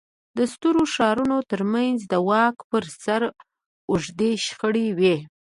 د سترو ښارونو ترمنځ د واک پر سر اوږدې شخړې وې